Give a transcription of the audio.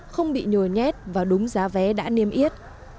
không bị nhồi nhét và đúng giá vé đã niêm yết